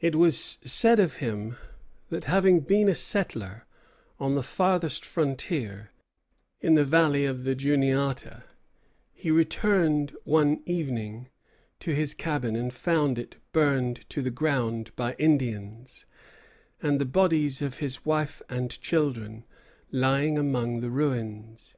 It was said of him that, having been a settler on the farthest frontier, in the Valley of the Juniata, he returned one evening to his cabin and found it burned to the ground by Indians, and the bodies of his wife and children lying among the ruins.